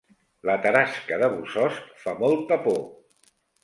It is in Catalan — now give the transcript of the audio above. La tarasca de Bossòst fa molta por